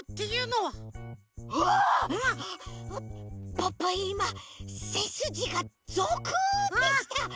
ポッポいませすじがゾクッてした。